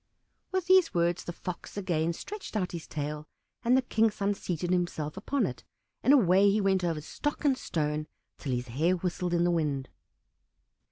With these words the Fox again stretched out his tail, and the King's son seated himself upon it, and away he went over stock and stone till his hair whistled in the wind.